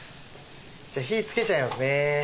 じゃあ火つけちゃいますね。